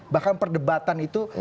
bahkan perdebatan itu